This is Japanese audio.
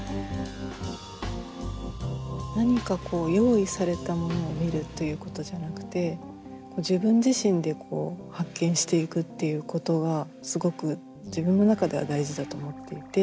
何かこう用意されたものを見るということじゃなくて自分自身でこう発見していくっていうことがすごく自分の中では大事だと思っていて。